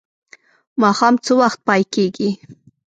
ماښام څه وخت پای کیږي؟